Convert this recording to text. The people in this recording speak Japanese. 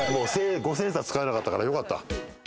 五千円札使えなかったからよかった。